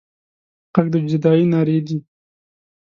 غږ د جدايي نارې دي